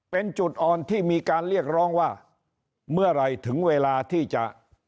เป็นจุดอ่อนที่มีการเรียกร้องว่าเมื่อไหร่ถึงเวลาที่จะ